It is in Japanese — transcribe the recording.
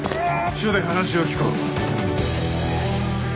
署で話を聞こう。